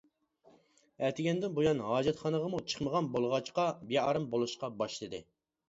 ئەتىگەندىن بۇيان ھاجەتخانىغىمۇ چىقمىغان بولغاچقا بىئارام بولۇشقا باشلىدى.